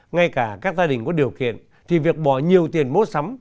ngay cả các gia đình có điều kiện thì việc bỏ nhiều tiền mua sắm